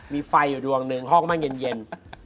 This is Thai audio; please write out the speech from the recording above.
มีไฟอยู่ดวงหนึ่งห้องมั่งเย็น